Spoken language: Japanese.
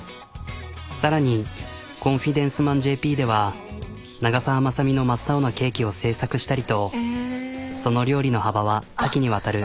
さらに「コンフィデンスマンＪＰ」では長澤まさみの真っ青なケーキを制作したりとその料理の幅は多岐にわたる。